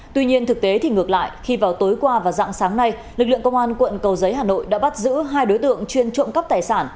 tuy nhiên thực tế thì ngược lại khi vào tối qua và dạng sáng nay lực lượng công an quận cầu giấy hà nội đã bắt giữ hai đối tượng chuyên trộm cắp tài sản